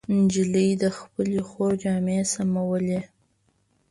نجلۍ د خپلې خور جامې سمولې.